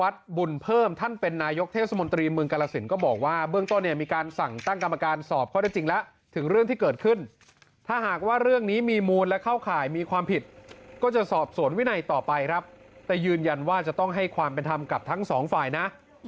ก็บอกว่าเบื้องต้นเนี่ยมีการสั่งตั้งกรรมการสอบข้อได้จริงแล้วถึงเรื่องที่เกิดขึ้นถ้าหากว่าเรื่องนี้มีมูลและเข้าข่ายมีความผิดก็จะสอบสวนวินัยต่อไปครับแต่ยืนยันว่าจะต้องให้ความเป็นธรรมกับทั้งสองฝ่ายนะ